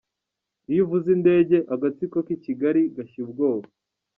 Iyo uvuze « indege » agatsiko k’i Kigali gashya ubwoba.